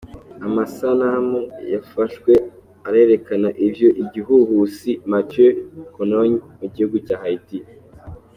Amasanamu yafashwe arerekana ivyo igihuhusi Matthew cononye mu gihugu ca Haiti.